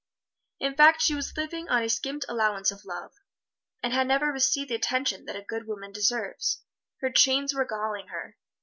In fact, she was living on a skimped allowance of love, and had never received the attention that a good woman deserves. Her chains were galling her.